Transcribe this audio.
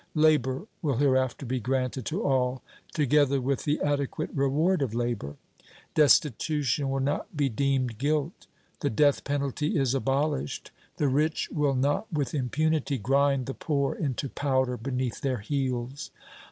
Labor will hereafter be granted to all, together with the adequate reward of labor. Destitution will not be deemed guilt. The death penalty is abolished. The rich will not with impunity grind the poor into powder beneath their heels.